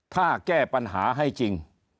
ถ้าแก้ปัญหาให้จริง